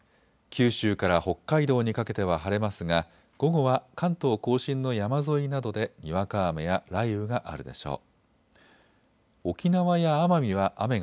九州から北海道にかけては晴れますが午後は関東甲信の山沿いなどでにわか雨や雷雨があるでしょう。